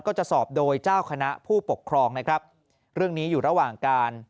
ก็จะสอบโดยเจ้าคณะผู้ปกครองนะครับเรื่องนี้อยู่ระหว่างการ